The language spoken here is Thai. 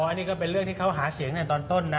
อันนี้ก็เป็นเรื่องที่เขาหาเสียงในตอนต้นนะ